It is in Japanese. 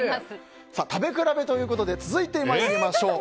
食べ比べということで続いて参りましょう。